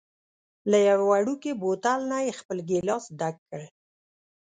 له یوه وړوکي بوتل نه یې خپل ګېلاس ډک کړ.